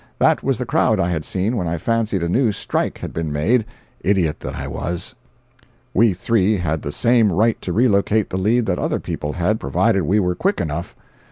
That was the crowd I had seen when I fancied a new "strike" had been made—idiot that I was. 290.jpg (141K) [We three had the same right to relocate the lead that other people had, provided we were quick enough.